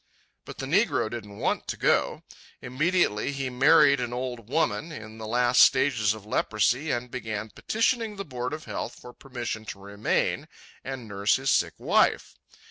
But the negro didn't want to go. Immediately he married an old woman, in the last stages of leprosy, and began petitioning the Board of Health for permission to remain and nurse his sick wife.